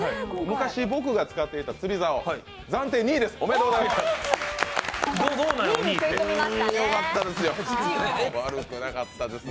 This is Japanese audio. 昔僕が使っていた釣りざお、暫定２位ですおめでとうございます。